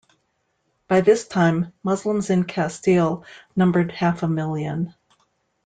By this time Muslims in Castile numbered half a million.